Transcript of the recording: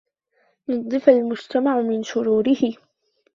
نظِّف المجتمع من شروره.